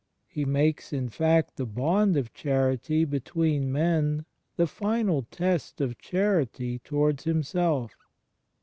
He makes in fact the bond of charity between men the final test of charity towards Himself.